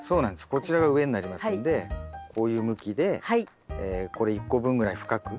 こちらが上になりますんでこういう向きでこれ１個分ぐらい深く。